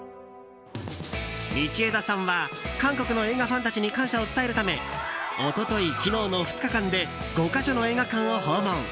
道枝さんは韓国の映画ファンたちに感謝を伝えるため一昨日、昨日の２日間で５か所の映画館を訪問。